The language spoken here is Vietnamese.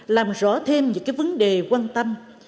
làm rõ thêm những vấn đề quan tâm